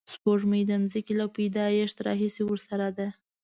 سپوږمۍ د ځمکې له پیدایښت راهیسې ورسره ده